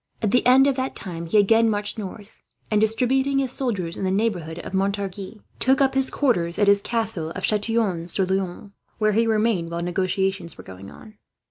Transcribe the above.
At the end of that time he again marched north and, distributing his soldiers in the neighbourhood of Montargis, took up his quarters at his castle of Chatillon sur Loing, where he remained while negotiations were going on.